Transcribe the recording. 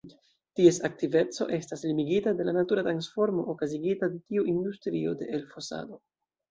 Ties aktiveco estas limigita de la natura transformo okazigita de tiu industrio de elfosado.